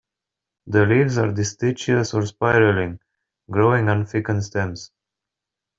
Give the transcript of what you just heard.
The leaves are distichous or spiraling, growing on thickened stems.